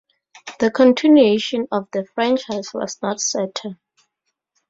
The continuation of the franchise was not certain.